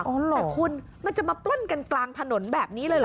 แต่คุณมันจะมาปล้นกันกลางถนนแบบนี้เลยเหรอ